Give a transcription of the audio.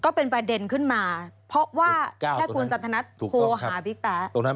ก็เป็นประเด็นขึ้นมาเพราะว่าแค่คุณจันทนัทโทรหาบิ๊กแป๊ะ